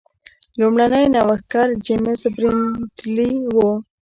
لومړنی نوښتګر جېمز برینډلي و.